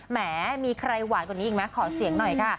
แหมมีใครหวานกว่านี้อีกไหมขอเสียงหน่อยค่ะ